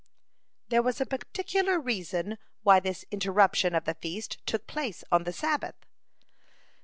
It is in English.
(33) There was a particular reason why this interruption of the feast took place on the Sabbath.